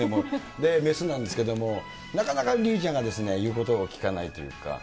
で、雌なんですけど、なかなかリリーちゃんがですね、言うことを聞かないというか。